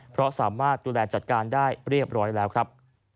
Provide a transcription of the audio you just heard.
เพราะสามารถดูแลจัดการได้เรียบร้อยแล้วครับ